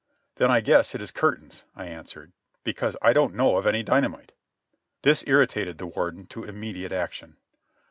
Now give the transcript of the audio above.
"Then I guess it is curtains," I answered, "because I don't know of any dynamite." This irritated the Warden to immediate action.